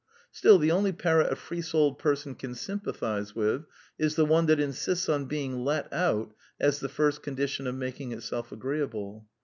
Still, the only parrot a free souled person can sympathize with is the one that insists on being let out as the first condition of making itself agreeable.